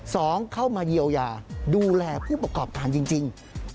สองเข้ามาเยียวยาดูแลผู้ประกอบการจริง